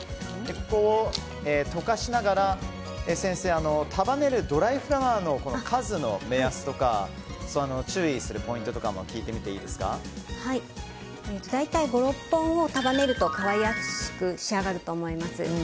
溶かしながら先生に束ねるドライフラワーの数の目安とか注意するポイントとかも大体５６本を束ねると可愛らしく仕上がると思います。